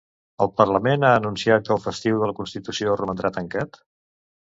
El Parlament ha anunciat que el festiu de la Constitució romandrà tancat.